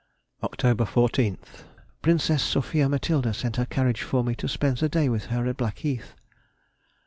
Oct. 14th.—Princess Sophia Matilda sent her carriage for me to spend the day with her at Blackheath.